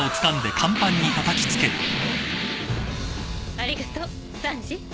ありがとうサンジ。